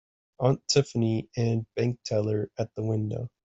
Aunt Tiffany and bank teller at the window.